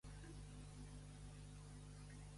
Em cal una taula en algun lloc de McLaurin, Connecticut